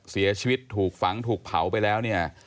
เสียชีวิตถูกฝังถูกเผาไปแล้วเนี่ย